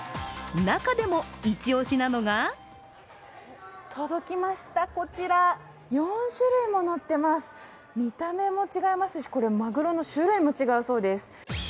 中でもイチオシなのが届きました、こちら４種類も乗ってます、見た目も違いますしまぐろの種類も違うそうです。